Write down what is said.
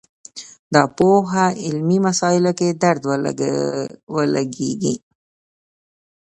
دا پوهه علمي مسایلو کې درد ولګېږي